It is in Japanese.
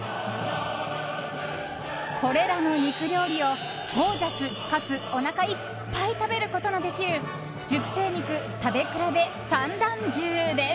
これらの肉料理をゴージャス、かつおなかいっぱい食べることのできる熟成肉食べ比べ三段重です。